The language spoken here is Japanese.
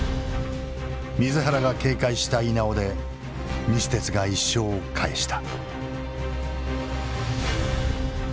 水原が警戒した稲尾で西鉄が１勝を返した。